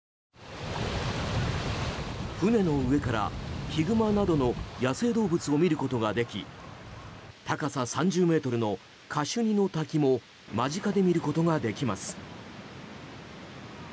船の上からヒグマなどの野生動物を見ることができ高さ３０ｍのカシュニの滝も間近で見ることができます。